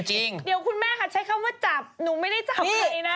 เดี๋ยวคุณแม่ค่ะใช้คำว่าจับหนูไม่ได้จับใครนะ